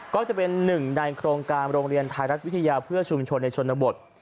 ก็จะเป็นหนึ่งในโครงการโรงเรียนไทยรัฐวิทยาเพื่อชุมชนในชนบท